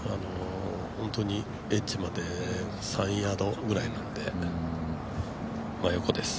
本当にエッジまで３ヤードぐらいなんで、真横です。